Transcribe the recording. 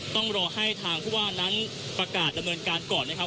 ต้องรอให้ทางผู้ว่านั้นประกาศดำเนินการก่อนนะครับ